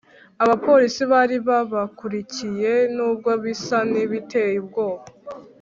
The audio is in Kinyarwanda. Abapolisi bari babakurikiye nubwo bisa n ibiteye ubwoba